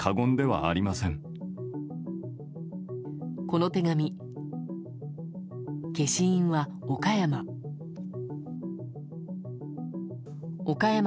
この手紙、消印は岡山。